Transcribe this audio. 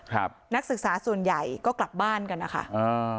นักศึกษาส่วนใหญ่ก็กลับบ้านกันนะคะอ่า